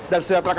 dan kita berhubung